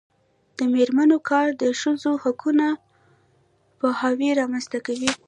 د میرمنو کار د ښځو حقونو پوهاوی رامنځته کوي.